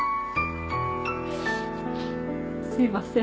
すいません。